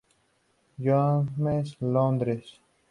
James, Londres.